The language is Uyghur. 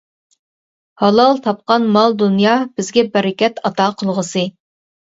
ھالال تاپقان مال-دۇنيا بىزگە بەرىكەت ئاتا قىلغۇسى.